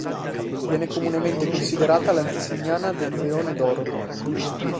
Viene comunemente considerata l'antesignana del Leone d'oro.